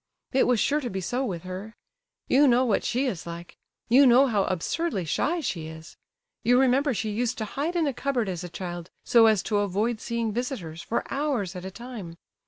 It was sure to be so with her. You know what she is like. You know how absurdly shy she is. You remember how she used to hide in a cupboard as a child, so as to avoid seeing visitors, for hours at a time.